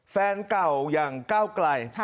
แฟนเก่าอย่างก้าวไกล